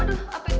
aduh apa ini tuh